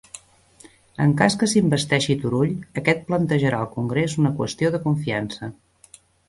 En cas que s'investeixi Turull aquest plantejarà al Congrés una qüestió de confiança